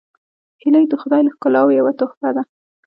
هیلۍ د خدای له ښکلاوو یوه تحفه ده